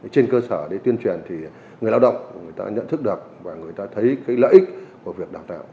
trên cơ sở để tuyên truyền người lao động nhận thức được và người ta thấy lợi ích của việc đào tạo